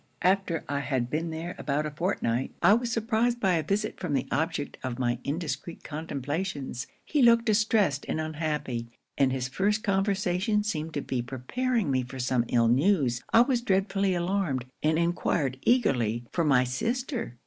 'After I had been there about a fortnight, I was surprized by a visit from the object of my indiscreet contemplations. He looked distressed and unhappy; and his first conversation seemed to be preparing me for some ill news. I was dreadfully alarmed, and enquired eagerly for my sister?